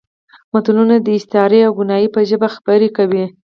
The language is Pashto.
متلونه د استعارې او کنایې په ژبه خبرې کوي